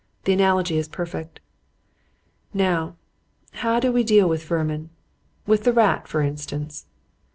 The analogy is perfect. "Now, how do we deal with vermin with the rat, for instance?